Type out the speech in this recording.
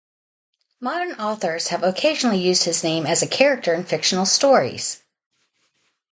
Modern authors have occasionally used his name as a character in fictional stories.